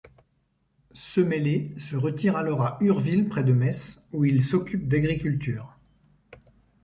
Semellé se retire alors à Urville près de Metz, où il s’occupe d’agriculture.